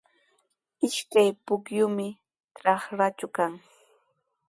Ishkay pukyumi trakraatraw kan.